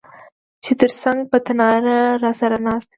چي تر څنګ په تناره راسره ناست وې